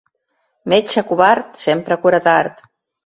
Metge covard sempre cura tard.